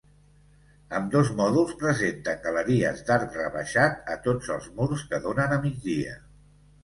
Ambdós mòduls presenten galeries d'arc rebaixat a tots els murs que donen a migdia.